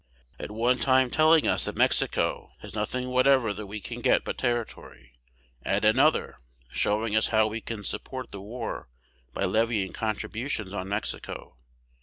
At one time telling us that Mexico has nothing whatever that we can get but territory; at another, showing us how we can support the war by levying contributions on Mexico.